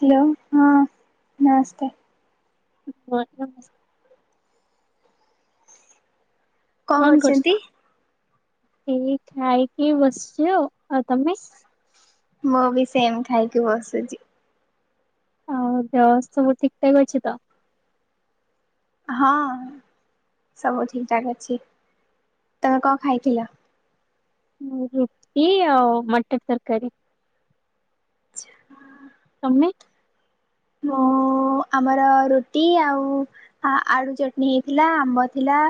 Hello ହଁ ନମସ୍କାର। [unintelligible] କଣ କରୁଛ? ମୁଁ ବି ସେମ ଖାଇକି ବସିଛି। ଆଉ ଦେହ ସବୁ ଠିକ ଠାକ ଅଛି ତ? ହଁ ସବୁ ଠିକ ଠାକ୍ ଅଛି ତମେ କଣ ଖାଇଥିଲ? ରୁଟିି ଆଉ ମଟନ୍ ତରକାରୀ। ଆଛା। ତମେ? ମୁଁ ଆମର ରୁଟି ଆଉ ଆଳୁ ଚଟଣି ହେଇଥିଲା ଆମ୍ବ ଥିଲା।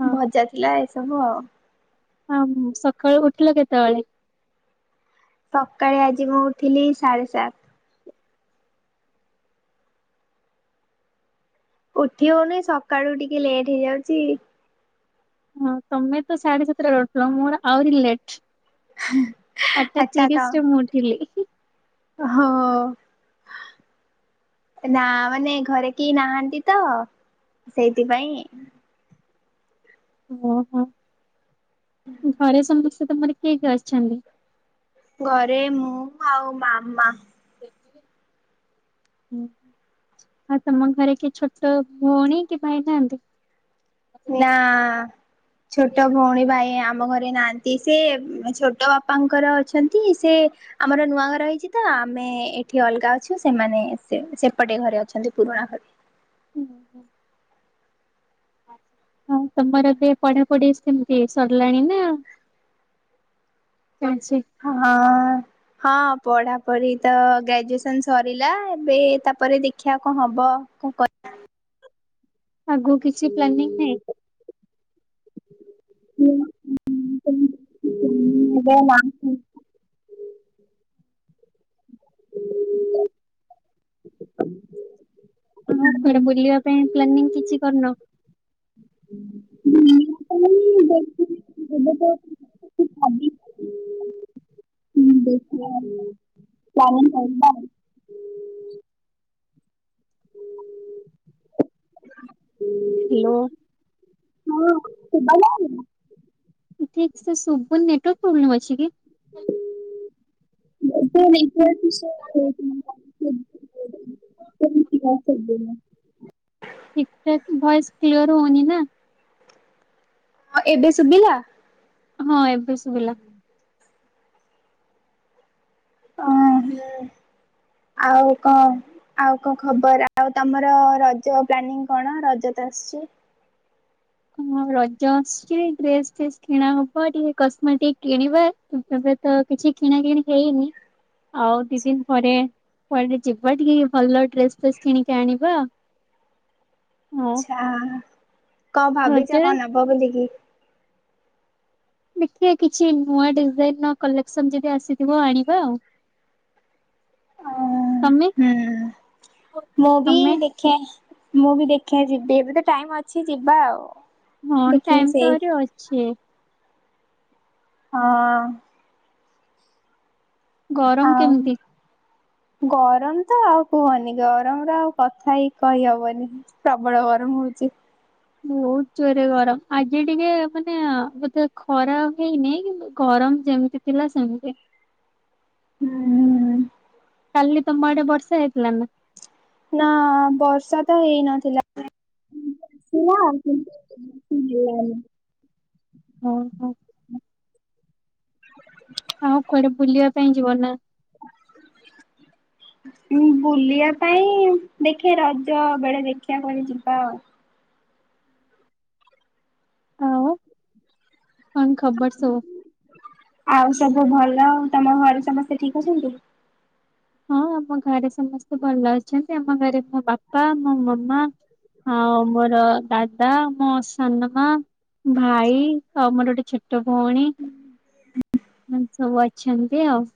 ହଁ। ଭଜା ଥିଲା ଏସବୁ ଆଉ। ହଁ ସକାଳୁ ଉଠିଲ କେତେବେଳେ? ସକାଳେ ଆଜି ମୁଁ ଉଠଥିଲି ସାଢେ ସାତ। ଉଠି ହଉନି ସକାଳୁ ଟିକେ ଲେଟ୍ ହେଇଯାଉଛି। ହଁ ତମେ ତ ସାଢେ ସାତଟା ରହୁଥିଲ ମୋର ଆହୁରି ଲେଟ୍। ଆଠ ଟା ତିରିଶରେ ମୁଁ ଉଠିଲି। ଅ ହଁ। ନା ମାନେ ଘରେ କେହି ନାହାନ୍ତି ତ ସେଇଥିପାଇଁ ଓହୋ ଘରେ ସମସ୍ତେ ତମର କିଏ କିଏ ଅଛନ୍ତି? ଘରେ ମୁଁ ଆଉ ମାମା। ଓ ଆଉ ତମ ଘରେ କି ଛୋଟ ଭଉଣୀ କି ଭାଇ ନାହାନ୍ତି? ନା ଆଁ ଛୋଟ ଭଉଣୀ ଭାଇ ଆମ ଘରେ ନାହାନ୍ତି। ଏଇ ସେ ଛୋଟ ବାପାଙ୍କର ଅଛନ୍ତି ସେ ଆମର ନୂଆ ଘର ହେଇଛି ତ ଆମେ ଏଠି ଅଲଗା ଅଛୁ ସେମାନେ ସେ ସେପଟେ ଘରେ ଅଛନ୍ତି ପୁରୁଣା ଘରେ। ହୁଁ ହୁଁ। ହଁ ତମର ଏବେ ପଢାପଢି ସେମିତି ସରିଲାଣି ନା ଚାଲିଛି। ହଁ। ହଁ ପଢାପଢି ତ ଗ୍ରାଜୁଏସନ ସରିଲା ଏବେ ତାପରେ ଦେଖିବା କଣ ହବ। କନ କରିବା। ଆଗକୁ କିଛି ପ୍ଲାନିଂ ନାଇଁ? ହୁଁ ଉମ୍। [unintelligible] ହଁ କୁଆଡେ ବୁଲିବା ପାଇଁ ପ୍ଲାନିଂ କିଛି କରିନ। [unintelligible] [unintelligible] ହୁଁ। [unintelligible] ହ୍ୟାଲୋ। ଶୁଭା ଯାଉନି। ଠିକ ସେ ଶୁଭୁନି ନେଟୱର୍କ ପ୍ରୋବେଲମ ଅଛି କି? [unintelligible] [unintelligible] ଠିକଠାକ ଭଏସ କ୍ଲିଅର ହଉନି ନା। ଆଉ ଏବେ ଶୁଭିଲା? ହଁ ଏବେ ଶୁଭିଲା। ଉମ୍ ହୁଁ ଆଉ କଣ? ଆଉ କଣ ଖବର ଆଉ ତମର ରଜ ପ୍ଲାନିଂ କଣ ରଜ ତ ଆସିଛି। ହଁ ରଜ ଆସୁଛି ଡ୍ରେସ୍ ଫେସ୍ କିଣା ହବ ଟିକେ କସ୍ମେଟିକ କିଣିବା। ଏବେ ତ କିଛି କିଣା କିିଣି ହେଇନି। ନାଁ ଆଉ ଦି ଦିନ୍ ପରେ କୁଆଡେ ଯିବା ଟିକେ ଭଲ ଡ୍ରେସ୍ ଫେସ୍ କିଣିକି ଆଣିବା। [unintelligible] କଣ ଭାବିଚ ରଜ କଣ ନବ ବୋଲିକି? ଦେଖିଆ କିଛି ନୂଆ ଡିଜାଇନ୍ ର କଲେକ୍ସନ ଯଦି ଆସିଥିବ ଆଣିବା ଆଉ। ଓ ତମେ? ହୁଁ, ମୁଁ ବି ତମେ ଦେଖ୍ ଖେ ମୁଁ ବି ଦେଖିଆ ଯିବି ଏବେ ତ ଟାଇମ୍ ଅଛି ଯିବା ଆଉ। ହଁ ଦେଖି ଟାଇମ୍ ତ ସେଇ ଆହୁରି ଅଛି। ହଁ। ଗରମ ଆଉ କେମିତି? ଗରମ ତ ଆଉ କୁହନି, ଗରମ ର ଆଉ କଥା ହିଁ କହିହବନି। ପ୍ରବଳ ଗରମ ହଉଚି। ବହୁତ ଜୋରେ ଗରମ ଆଜି ଟିକେ ମାନେ ବୋଧେ ଖରା ହେଇନି କିନ୍ତୁ ଗରମ ଯେମିତି ଥିଲା ସେମିତି। ହୁଁ। କାଲି ତମ ଆଡେ ବର୍ଷା ହେଇଥିଲା ନା? ନା ବର୍ଷା ତ ହେଇ ନଥିଲା। [inaudible] ହଁ ହଁ। ଆଉ କୁଆଡେ ବୁଲିବା ପାଇଁ ଯିବ ନା [inaudible] ବୁଲିବା ପାଇଁ ଦେଖେ ରଜ ବେଳେ ଦେଖିବା କୁଆଡ଼େ ଯିବା ଆଉ। ଆଉ। କଣ ଖବର ସବୁ? ଆଉ ସବୁ ଭଲ ଆଉ ତମ ଘରେ ସମସ୍ତେ ଠିକ ଅଛନ୍ତି? ହଁ ଆମ ଘରେ ସମସ୍ତେ ଭଲ ଅଛନ୍ତି। ଆମ ଘରେ ମୋ ବାପା ମୋ ମାମା ହଁ ମୋର ଦାଦା ମୋ ସାନମା ଭାଇ ତମର ଗୋଟେ ଛୋଟ ଛୋଟ ଭଉଣୀ ଏମ ସବୁ ଅଛନ୍ତି ଆଉ।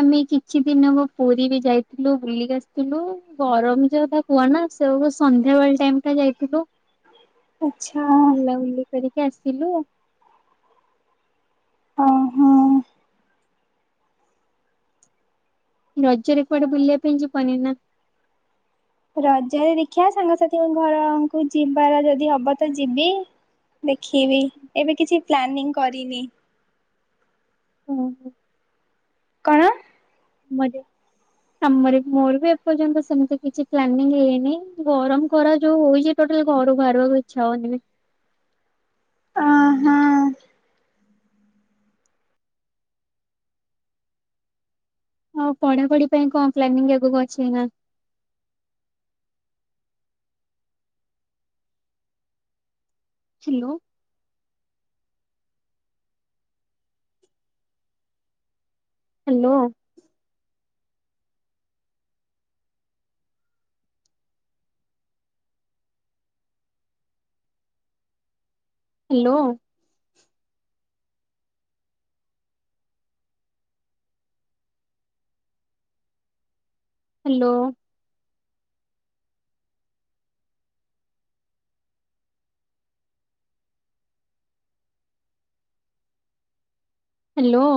ଆମେ କିଛି ଦିନ ହବ ପୁରୀ ବି ଯାଇଥିଲୁ ବୁଲିକି ଆସିଥିଲୁ ଗରମ ଯଉ ତା କୁହ ନା ସେ ସନ୍ଧ୍ୟାବେଳେ ଟାଇମଟା ଯାଇଥିଲୁ [inaudible] ବୁଲାବୁଲି କରିକି ଆସିଲୁ। ଓ ହୋ। ରଜରେ କୁଆଡେ ବୁଲିବା ପାଇଁ ଯିବନି ନା? ରଜରେ ଦେଖିବା ସାଙ୍ଗସାଥିଙ୍କ ଘରକୁ ଯିବାର ଯଦି ହବ ତ ଯିବି। ଦେଖିବି ଏବେ କିଛି ପ୍ଲାନିଂ କରିନି। ଓ ହୋ। କଣ? ମଜା ଆମର ମୋର ବି ଏପର୍ଯ୍ୟନ୍ତ ସେମିତି କିଛି ପ୍ଲାନିଂ ହେଇନି ଗରମ ଖରା ଯୋଉ ହଉଛି ଟୋଟାଲି ଘରୁ ବାହାରିବାକୁ ଇଛା ହଉନି। ଆ ହାଁ। ଆଉ ପଢା ପଢି ପାଇଁ କଣ ପ୍ଲାନିଂ ଆଗକୁ ଅଛି ଏଇନା? Hello. Hello. Hello. Hello. Hello.